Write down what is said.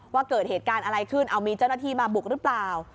ว่าเกิดเหตุการณ์อะไรขึ้นเอามีเจ้าหน้าที่มาบุกหรือเปล่า